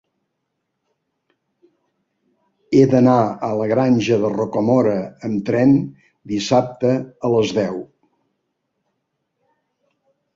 He d'anar a la Granja de Rocamora amb tren dissabte a les deu.